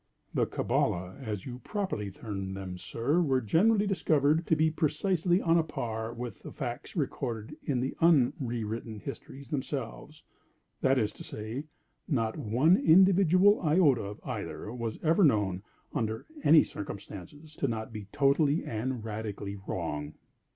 "The Kabbala, as you properly term them, sir, were generally discovered to be precisely on a par with the facts recorded in the un re written histories themselves;—that is to say, not one individual iota of either was ever known, under any circumstances, to be not totally and radically wrong."